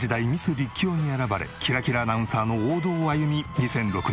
立教に選ばれキラキラアナウンサーの王道を歩み。